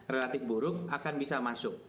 relatif buruk akan bisa masuk